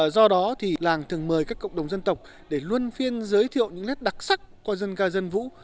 do đó thì làng thường mời các cộng đồng dân tộc để luôn phiên giới thiệu những nét đặc sắc qua dân ca dân vũ